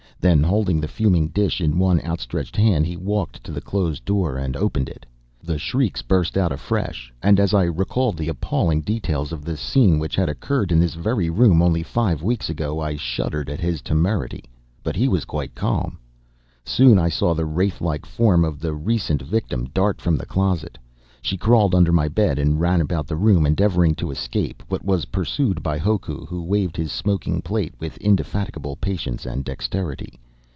Then, holding the fuming dish in one outstretched hand, he walked to the closed door and opened it. The shrieks burst out afresh, and, as I recalled the appalling details of the scene which had occurred in this very room only five weeks ago, I shuddered at his temerity. But he was quite calm. Soon, I saw the wraith like form of the recent victim dart from the closet. She crawled under my bed and ran about the room, endeavoring to escape, but was pursued by Hoku, who waved his smoking plate with indefatigable patience and dexterity.